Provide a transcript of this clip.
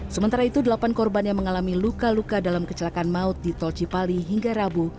sementara itu delapan korban yang mengalami luka luka dalam kecelakaan maut di tol cipali hingga rabu